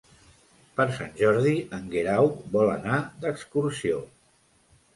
Per Sant Jordi en Guerau vol anar d'excursió.